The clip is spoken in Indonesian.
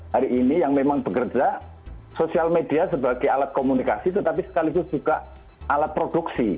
hari ini yang memang bekerja sosial media sebagai alat komunikasi tetapi sekaligus juga alat produksi